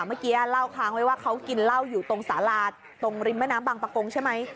เมื่อกี้เล่าค้างไว้ว่าเขากินเหล้าอยู่ตรงสาราตรงริมแม่น้ำบางประกงใช่ไหม